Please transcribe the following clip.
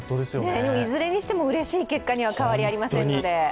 いずれにしても、うれしい結果に変わりはありませんので。